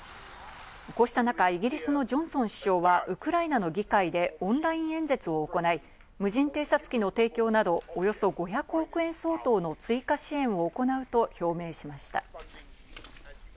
こうした中、イギリスのジョンソン首相はウクライナの議会でオンライン演説を行い、無人偵察機の提供など、およそ５００億円相当の追加支援を行うと表明しました。